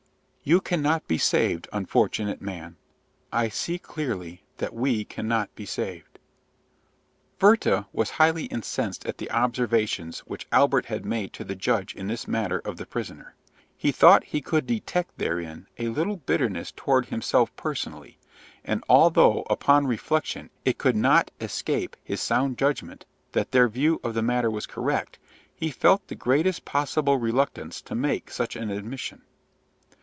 "You cannot be saved, unfortunate man! I see clearly that we cannot be saved!" Werther was highly incensed at the observations which Albert had made to the judge in this matter of the prisoner. He thought he could detect therein a little bitterness toward himself personally; and although, upon reflection, it could not escape his sound judgment that their view of the matter was correct, he felt the greatest possible reluctance to make such an admission.